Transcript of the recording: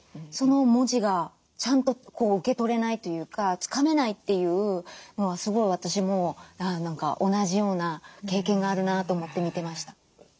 その文字がちゃんと受け取れないというかつかめないっていうのはすごい私も何か同じような経験があるなと思って見てました。